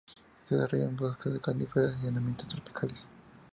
Se desarrolla en bosque de coníferas y en ambientes tropicales.